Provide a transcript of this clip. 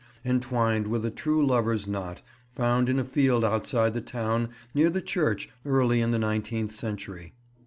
entwined with a true lover's knot, found in a field outside the town, near the church, early in the nineteenth century.